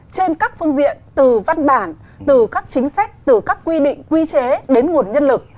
trên các phương diện từ văn bản từ các chính sách từ các quy định quy chế đến nguồn nhân lực